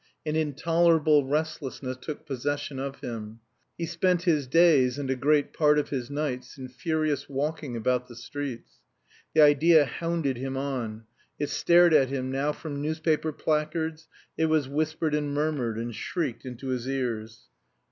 An intolerable restlessness took possession of him. He spent his days and a great part of his nights in furious walking about the streets. The idea hounded him on; it stared at him now from newspaper placards, it was whispered and murmured and shrieked into his ears.